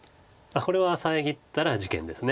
これは遮ったら事件です。